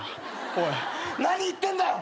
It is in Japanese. おい何言ってんだよ！